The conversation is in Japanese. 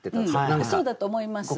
そうだと思います。